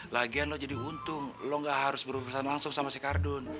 lagian lo jadi untung lo gak harus berurusan langsung sama si kardun